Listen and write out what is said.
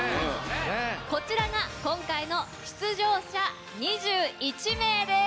こちらが今回の出場者２１名です。